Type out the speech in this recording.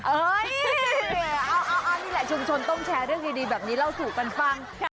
นี่แหละชุมชนต้องแชร์เรื่องดีแบบนี้เล่าสู่กันฟัง